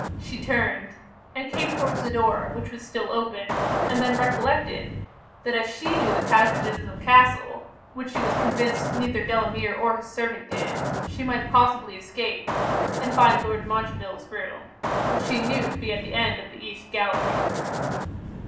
She turned; and came towards the door, which was still open, and then recollected, that as she knew the passages of the castle, which she was convinced neither Delamere or his servant did, she might possibly escape, and find Lord Montreville's room, which she knew to be at the end of the East gallery.